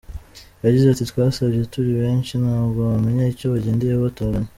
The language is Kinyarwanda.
Yagize ati “Twasabye turi benshi, ntabwo wamenya icyo bagendeyeho batoranya.